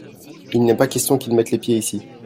il n'est pas question qu'il mette les pieds ici.